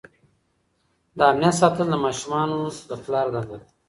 د امنیت ساتل د ماشومانو د پلار دنده ده.